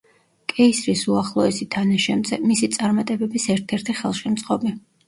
კეისრის უახლოესი თანაშემწე, მისი წარმატებების ერთ-ერთი ხელშემწყობი.